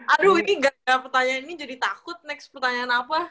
aduh ini pertanyaan ini jadi takut next pertanyaan apa